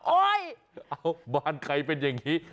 เอ้าบ้านใครเป็นอย่างนี้